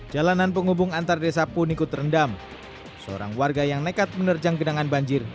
jalanan penghubung antar desa pun ikut terendam seorang warga yang nekat menerjang genangan banjir